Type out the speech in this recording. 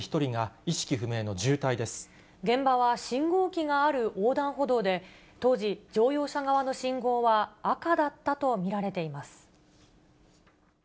現場は信号機がある横断歩道で、当時、乗用車側の信号は赤だったと見られています。